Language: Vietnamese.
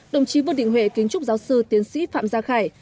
đồng chí vương đình huệ kính chúc giáo sư tiến sĩ phạm gia khải